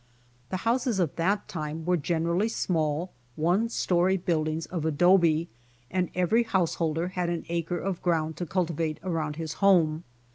The houses of that time were generally small, one story buildings of adobe, and every householder had an acre of ground to culti vate around his homie.